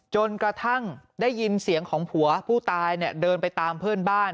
จนกระทั่งได้ยินเสียงของผัวผู้ตายเนี่ยเดินไปตามเพื่อนบ้าน